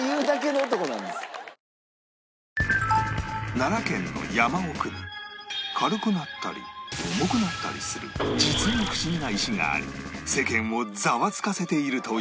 奈良県の山奥に軽くなったり重くなったりする実にフシギな石があり世間をザワつかせているという